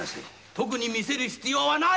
特に見せる必要はない！